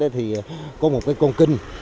thì có một cái con kinh